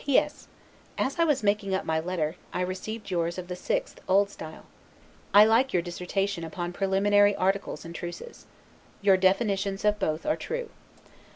P. S. As I was making up my letter, I received yours of the 6th, O. S. I like your dissertation upon Preliminary Articles and Truces. Your definitions of both are true.